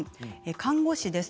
看護師です。